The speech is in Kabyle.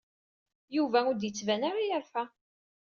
Yuba ur la d-yettban ara yerfa.